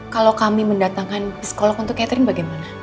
kalau kami mendatangkan psikolog untuk catering bagaimana